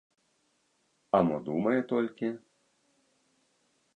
А мо думае толькі?